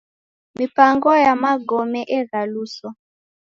Mipango ya magome eghaluswa.